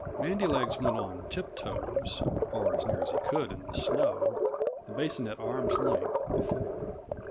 Bandy legs went on tiptoes or as nearly as he could in the snow the basin at arm's length before.